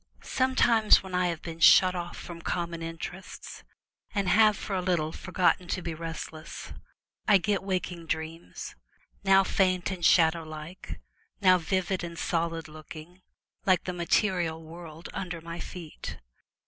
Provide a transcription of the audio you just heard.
Sometimes when I have been shut off from common interests, and have for a little forgotten to be restless, I get waking dreams, now faint and shadow like, now vivid and solid looking, like the material world under my feet.